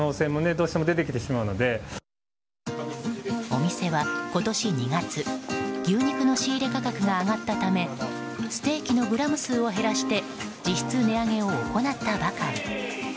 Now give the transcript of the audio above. お店は今年２月牛肉の仕入れ価格が上がったためステーキのグラム数を減らして実質値上げを行ったばかり。